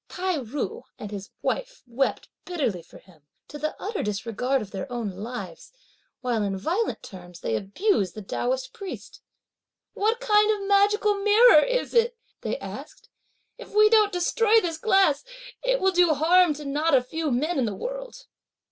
Tai ju and his wife wept bitterly for him, to the utter disregard of their own lives, while in violent terms they abused the Taoist priest. "What kind of magical mirror is it?" they asked. "If we don't destroy this glass, it will do harm to not a few men in the world!"